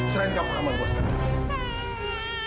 serahin kava sama gua sekarang